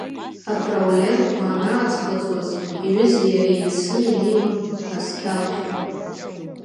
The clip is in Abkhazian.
Атраулерқәа анааӡхыҵуаз иҩызеи иареи еицны инеиуан асқьалахьы.